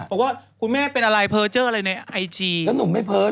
บอกว่าคุณแม่เป็นอะไรเพอเจอร์อะไรในไอจีแล้วหนูไม่เพอเลยเหรอ